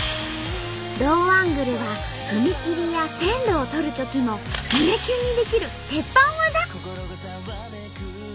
ローアングルは踏切や線路を撮るときも胸キュンにできる鉄板技！